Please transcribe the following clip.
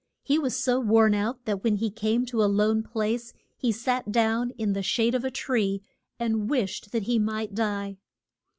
He was so worn out that when he came to a lone place he sat down in the shade of a tree and wished that he might die.